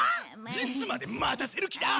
いつまで待たせる気だ！